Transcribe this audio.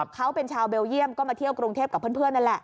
เขาเป็นชาวเบลเยี่ยมก็มาเที่ยวกรุงเทพกับเพื่อนนั่นแหละ